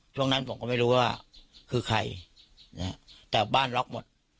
ช่วงนั้นผมก็ไม่รู้ว่าคือใครนะฮะแต่บ้านล็อกหมด